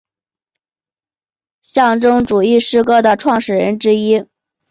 象征主义诗歌的创始人之一。